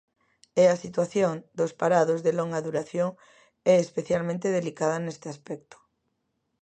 E a situación dos parados de longa duración é especialmente delicada neste aspecto.